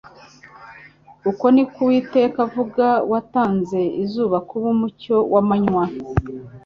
«Uko ni ko Uwiteka avuga watanze izuba kuba umucyo w'amanywa,